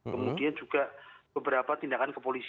kemudian juga beberapa tindakan kepolisian